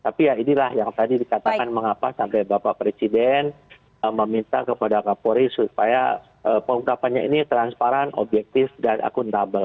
tapi ya inilah yang tadi dikatakan mengapa sampai bapak presiden meminta kepada kapolri supaya pengungkapannya ini transparan objektif dan akuntabel